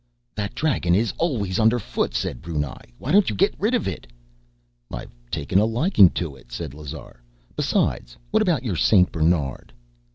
"That dragon is always underfoot," said Brunei. "Why don't you get rid of it?" "I've taken a liking to it," said Lazar. "Besides, what about your Saint Bernard?"